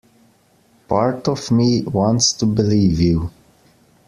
Part of me wants to believe you.